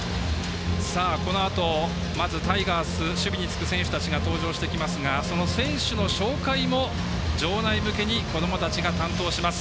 このあと、まずタイガース守備につく選手たちが登場してきますが、選手の紹介も場内向けにこどもたちが担当します。